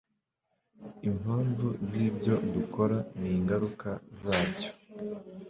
impamvu zibyo dukora ningaruka zabyo